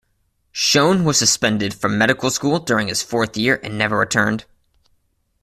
Shoen was suspended from medical school during his fourth year and never returned.